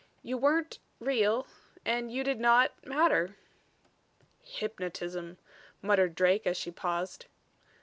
You weren't real and you did not matter." "Hypnotism," muttered Drake, as she paused.